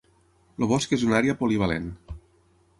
El bosc és una àrea polivalent.